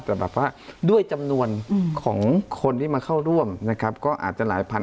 แต่แบบว่าด้วยจำนวนของคนที่มาเข้าร่วมนะครับก็อาจจะหลายพัน